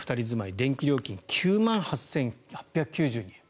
電気料金９万８８９２円。